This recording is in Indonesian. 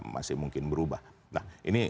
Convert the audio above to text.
masih mungkin berubah nah ini